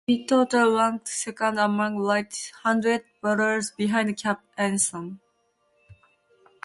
His hit total ranked second among right-handed batters behind Cap Anson.